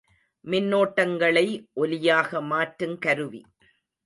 மின்னோட்டங்களை ஒலியாக மாற்றுங் கருவி.